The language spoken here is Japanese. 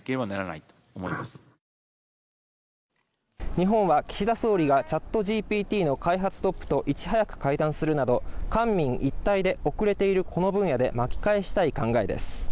日本は岸田総理がＣｈａｔＧＰＴの開発トップといち早く会談するなど官民一体で遅れているこの分野で巻き返したい考えです。